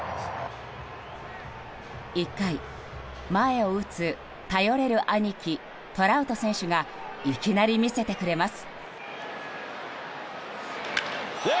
１回、前を打つ頼れる兄貴、トラウト選手がいきなり見せてくれます。